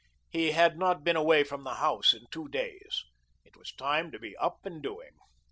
He had not been away from the house in two days. It was time to be up and doing.